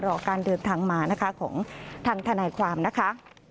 รอการเดินทางมานะคะของทางทนายความนะคะ